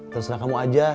terserah kamu saja